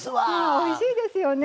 おいしいですよね。